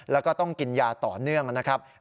แล้วก็ต้องกินยาต่อเนื่องนะครับ